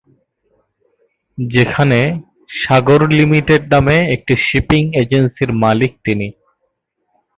সেখানে ‘সাগর লিমিটেড’ নামে একটি শিপিং এজেন্সির মালিক তিনি।